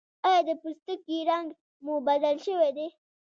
ایا د پوستکي رنګ مو بدل شوی دی؟